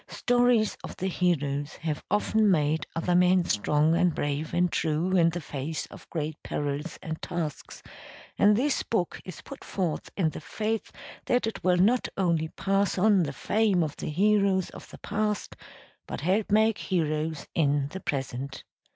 Stories of the heroes have often made other men strong and brave and true in the face of great perils and tasks, and this book is put forth in the faith that it will not only pass on the fame of the heroes of the past but help make heroes in the present.